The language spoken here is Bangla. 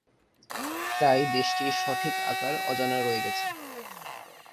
তাই দেশটির সঠিক আকার অজানা রয়ে গেছে।